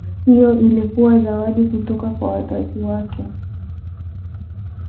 hiyo ilikuwa zawadi kutoka kwa wazazi wake